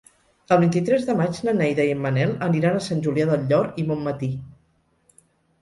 El vint-i-tres de maig na Neida i en Manel aniran a Sant Julià del Llor i Bonmatí.